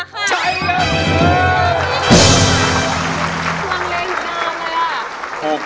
ตอบว่าใช้ดีกว่าค่ะ